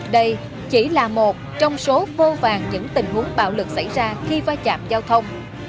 đây chỉ là một trong số vô vàng những tình huống bạo lực xảy ra khi va chạm giao thông